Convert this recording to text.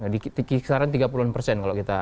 di kisaran tiga puluh an persen